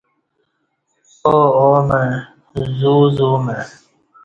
آو آومع زو زومع